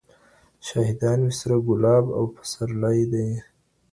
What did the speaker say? شاهدان مي سره ګلاب او پسرلي دي